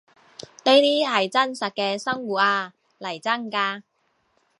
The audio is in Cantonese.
呢啲係真實嘅生活呀，嚟真㗎